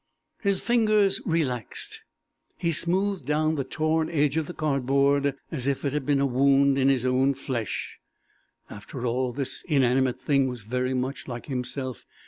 _ His fingers relaxed. He smoothed down the torn edge of the cardboard, as if it had been a wound in his own flesh. After all, this inanimate thing was very much like himself.